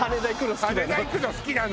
羽田行くの好きなの。